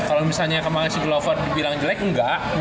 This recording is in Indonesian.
kalau misalnya kemarin si glover dibilang jelek enggak